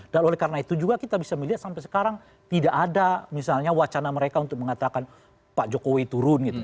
dan oleh karena itu juga kita bisa melihat sampai sekarang tidak ada misalnya wacana mereka untuk mengatakan pak jokowi turun gitu